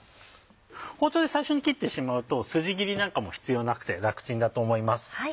包丁で最初に切ってしまうと筋切りなんかも必要なくて楽ちんだと思います。